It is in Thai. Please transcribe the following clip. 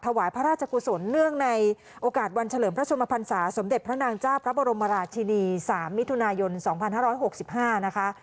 ถวายพระราชกุศลเนื่องในโอกาสวันเฉลิมพระชมพันศาสมเด็จพระนางเจ้าพระบรมราชินี๓มิถุนายน๒๕๖๕นะคะ